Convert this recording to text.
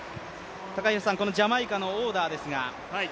このジャマイカのオーダーですが。